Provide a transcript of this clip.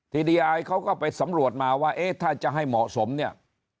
ทีดีอายเขาก็ไปสำรวจมาว่าเอ๊ะถ้าจะให้เหมาะสมเนี่ย